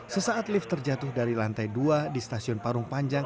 sesaat lift terjatuh dari lantai dua di stasiun parung panjang